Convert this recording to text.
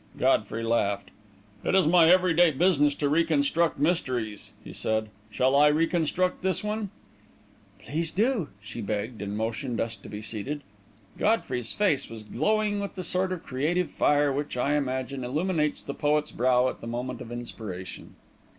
Godfrey laughed. "It is my every day business to reconstruct mysteries," he said. "Shall I reconstruct this one?" "Please do!" she begged, and motioned us to be seated. Godfrey's face was glowing with the sort of creative fire which, I imagine, illumines the poet's brow at the moment of inspiration.